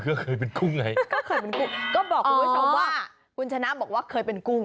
ก็เคยเป็นกุ้งไงก็บอกคุณผู้ชมว่าคุณชนะบอกว่าเคยเป็นกุ้ง